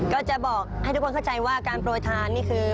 ก็จะบอกให้ทุกคนเข้าใจว่าการโปรยทานนี่คือ